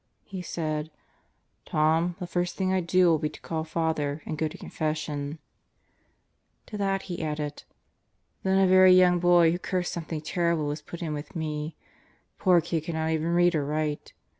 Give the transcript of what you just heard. He said: "Tom, the first thing I do will be to call Father and go to confession. ... Into the Hands of God 185 To that he added: Then a very young boy who cursed something terrible was put in with me. Poor kid could not even read or write.